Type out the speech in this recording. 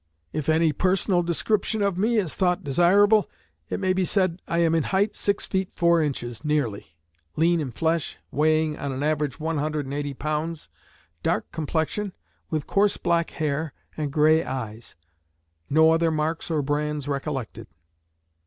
If any personal description of me is thought desirable, it may be said, I am in height, six feet, four inches, nearly; lean in flesh, weighing, on an average, one hundred and eighty pounds; dark complexion, with coarse black hair, and gray eyes. No other marks or brands recollected.